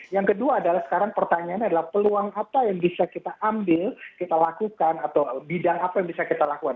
yang kedua adalah sekarang pertanyaannya adalah peluang apa yang bisa kita ambil kita lakukan atau bidang apa yang bisa kita lakukan